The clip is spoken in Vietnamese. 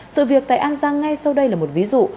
sự việc tại an giang ngay sau đây là một ví dụ